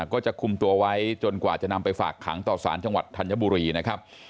ก็จะคุมตัวไว้จนกว่าจะนำไปฝากขังต่อสารจังหวัดธัญบุรีนะครับ